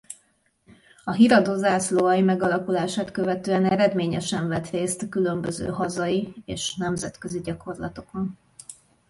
A híradó zászlóalj megalakulását követően eredményesen vett részt a különböző hazai és nemzetközi gyakorlatokon.